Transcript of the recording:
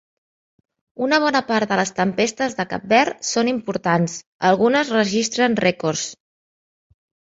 Una bona part de les tempestes de Cap Verd són importants, algunes registren rècords.